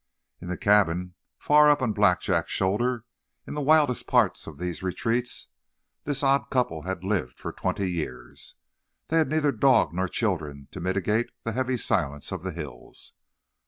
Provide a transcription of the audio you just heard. In the cabin far up on Blackjack's shoulder, in the wildest part of these retreats, this odd couple had lived for twenty years. They had neither dog nor children to mitigate the heavy silence of the hills.